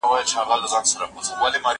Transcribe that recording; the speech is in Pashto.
زه اجازه لرم چي مړۍ وخورم